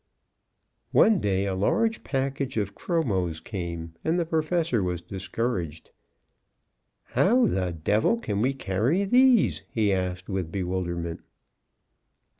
One day a large package of chromos came, and the Professor was discouraged. "How the d l can we carry these?" he asked with bewilderment.